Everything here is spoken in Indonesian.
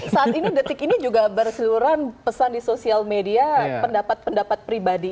saat ini detik ini juga berseluruhan pesan di sosial media pendapat pendapat pribadi